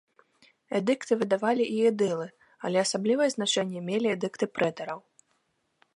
Эдыкты выдавалі і эдылы, але асаблівае значэнне мелі эдыкты прэтараў.